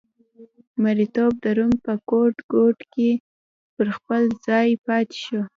مریتوب د روم په ګوټ ګوټ کې پر خپل ځای پاتې شو